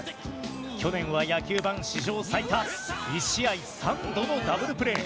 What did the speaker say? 去年は野球ＢＡＮ史上最多１試合３度のダブルプレー。